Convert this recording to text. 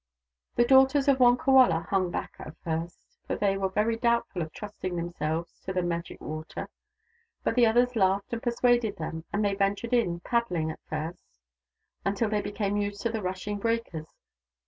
The daughters of Wonkawala hung back at first, for they were very doubtful of trusting themselves to the magic water. But the others laughed and persuaded them, and they ventured in, paddling at first, until they became used to the rushing breakers.